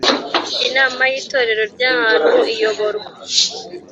inama y itorero ry ahantu iyoborwa